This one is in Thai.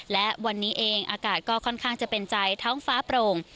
และวันนี้เองอากาศก็ค่อนข้างจะเป็นใจท้องฟ้าโปร่ง